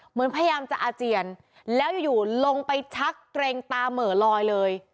เหมือนพยายามจะอาเจียนแล้วอยู่ลงไปชักเกร็งตาเหม่อลอยเลย